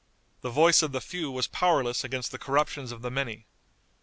The voice of the few was powerless against the corruptions of the many.